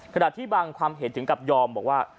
ถ้าที่บางความเหตุจึงกับยอมว่า